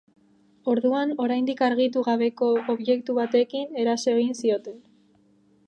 Orduan oraindik argitu gabeko objektu batekin eraso egin zioten.